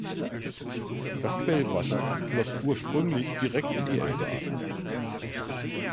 Das Quellwasser floss ursprünglich direkt in die Elbe ab.